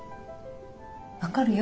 分かるよ。